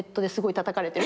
たたかれてる？